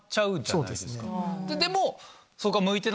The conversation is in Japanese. でも。